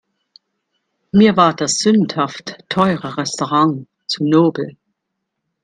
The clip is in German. Mir war das sündhaft teure Restaurant zu nobel.